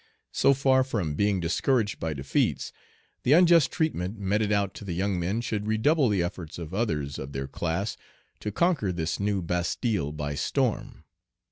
So far from being discouraged by defeats, the unjust treatment meted out to the young men should redouble the efforts of others of their class to conquer this new Bastile by storm.